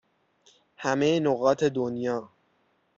همه نقاط دنیا